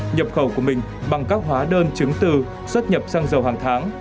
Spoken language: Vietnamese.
nhập khẩu của mình bằng các hóa đơn chứng từ xuất nhập xăng dầu hàng tháng